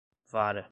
vara